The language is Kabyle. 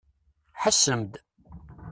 Ḥessem-d!